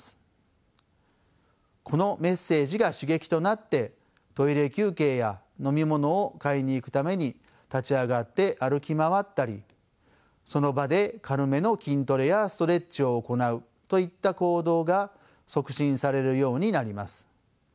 このメッセージが刺激となってトイレ休憩や飲み物を買いに行くために立ち上がって歩き回ったりその場で軽めの筋トレやストレッチを行うといった行動が促進されるようになります。